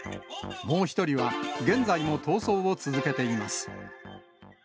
もう１人は現在も逃走を続けています。